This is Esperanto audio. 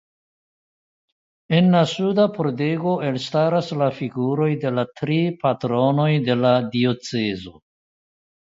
En la suda pordego elstaras la figuroj de la tri patronoj de la diocezo.